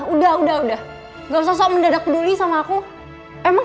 udah udah udah nggak usah sok mendadak peduli sama aku emang